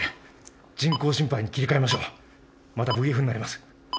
人工心肺に切り替えましょうまたＶＦになります